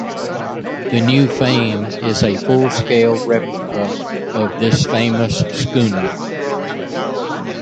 The new "Fame" is a full-scale replica of this famous schooner.